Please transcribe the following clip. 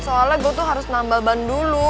soalnya gue tuh harus nambal ban dulu